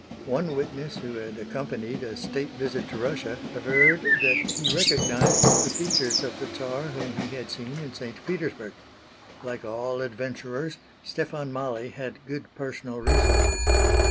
One witness who had accompanied a state visit to Russia averred that he recognized the features of the Czar whom he had seen in St. Petersburg. Like all adventurers Stefan Mali had good personal resources.